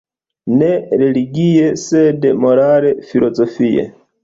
Ne religie, sed morale-filozofie.